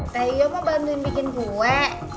neng iyo mau bantuin bikin kue